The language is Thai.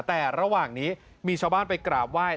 แต่ระหว่างนี้มีชาวบ้านไปกราบไหว้